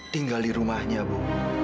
tinggal di rumahnya bu